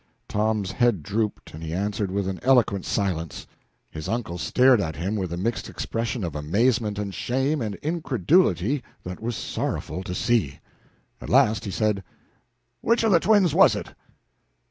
Tom's head drooped, and he answered with an eloquent silence. His uncle stared at him with a mixed expression of amazement and shame and incredulity that was sorrowful to see. At last he said "Which of the twins was it?"